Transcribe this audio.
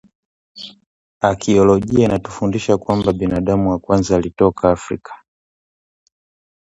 Akiolojia inatufundisha kuwa binadamu wa kwanza alitoka Afrika